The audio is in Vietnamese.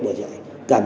và các bạn